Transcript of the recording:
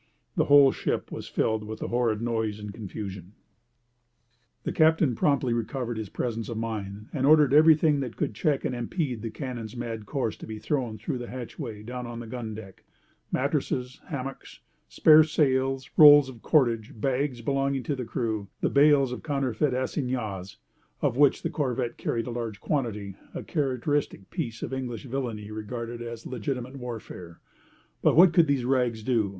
The whole ship was filled with the horrid noise and confusion. The captain promptly recovered his presence of mind and ordered everything that could check and impede the cannon's mad course to be thrown through the hatchway down on the gun deck—mattresses, hammocks, spare sails, rolls of cordage, bags belonging to the crew, and bales of counterfeit assignats, of which the corvette carried a large quantity—a characteristic piece of English villany regarded as legitimate warfare. But what could these rags do?